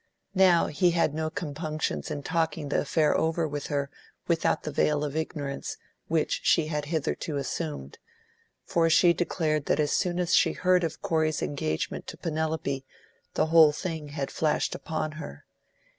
Now he had no compunctions in talking the affair over with her without the veil of ignorance which she had hitherto assumed, for she declared that as soon as she heard of Corey's engagement to Penelope, the whole thing had flashed upon her.